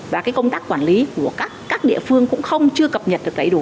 và công tác quản lý của các địa phương cũng không chưa cập nhật được đầy đủ